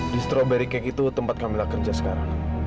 di strawberry cake itu tempat kamila kerja sekarang